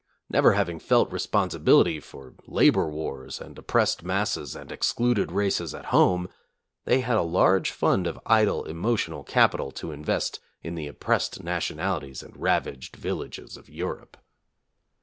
Never having felt responsibility for labor wars and oppressed masses and excluded races at home, they had a large fund of idle emotional capital to invest in the oppressed nationalities and ravaged villages of Europe.